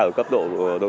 cảm ơn các bạn đã theo dõi